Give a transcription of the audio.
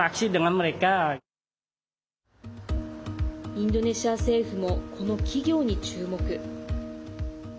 インドネシア政府もこの企業に注目。